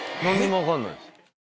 分かんないです。